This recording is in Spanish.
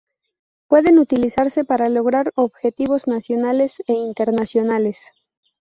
Pueden utilizarse para lograr objetivos nacionales e internacionales.